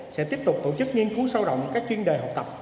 sẽ tiếp tục tổ chức nghiên cứu sâu rộng các chuyên đề học tập